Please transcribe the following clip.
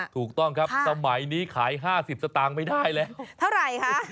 ถูกต้องครับสมัยนี้ขายห้าสิบสตางไม่ได้แล้วเท่าไรคะ